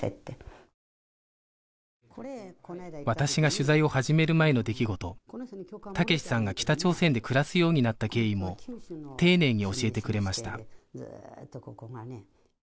私が取材を始める前の出来事武志さんが北朝鮮で暮らすようになった経緯も丁寧に教えてくれました